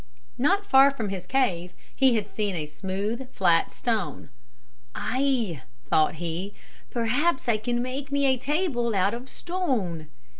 Not far from his cave he had seen a smooth, flat stone. "Ay," thought he, "perhaps I can make me a table out of stone."